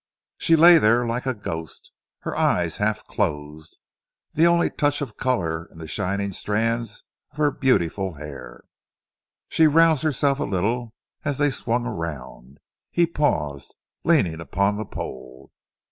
She lay there like a ghost, her eyes half closed, the only touch of colour in the shining strands of her beautiful hair. She roused herself a little as they swung around. He paused, leaning upon the pole.